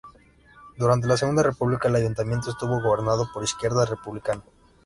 Durante la Segunda República el Ayuntamiento estuvo gobernado por Izquierda Republicana.